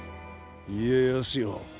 家康よ。